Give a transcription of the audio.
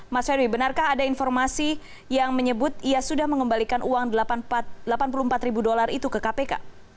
mas ferry benarkah ada informasi yang menyebut ia sudah mengembalikan uang delapan puluh empat ribu dolar itu ke kpk